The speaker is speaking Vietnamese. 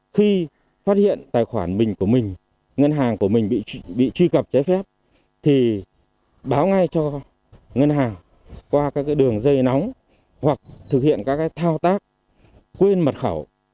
khi phát hiện tài khoản mình của mình ngân hàng của mình bị truy cập trái phép thì báo ngay cho ngân hàng qua các đường dây nóng hoặc thực hiện các thao tác quên mật khẩu